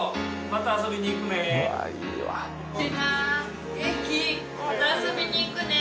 また遊びに行くね。